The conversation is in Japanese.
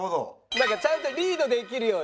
だからちゃんとリードできるように。